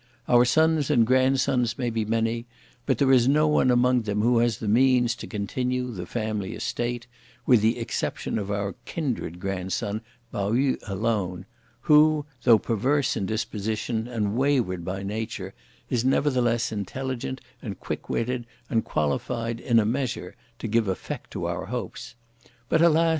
Our sons and grandsons may be many, but there is no one among them who has the means to continue the family estate, with the exception of our kindred grandson, Pao yü alone, who, though perverse in disposition and wayward by nature, is nevertheless intelligent and quick witted and qualified in a measure to give effect to our hopes. But alas!